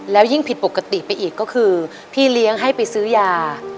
แล้วยิ่งผิดปกติไปอีกก็คือพี่เลี้ยงให้ไปซื้อยา